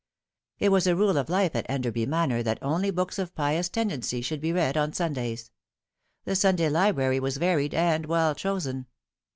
It was a rule of life at Enderby Manor that only books of pious tendency should be read on Sundays. The Sunday library was varied and well chosen.